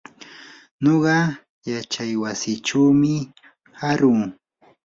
nuqa yachaywasichumi aruu.